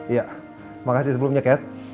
iya terima kasih sebelumnya cat